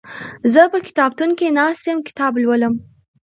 زه په کتابتون کې ناست يم کتاب لولم